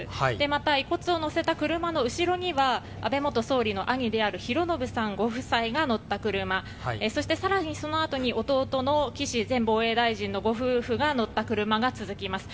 また、遺骨を乗せた車の後ろには安倍元総理の兄である寛信さんご夫妻が乗った車そして更にそのあとに弟の岸前防衛大臣のご夫婦が乗った車が続きます。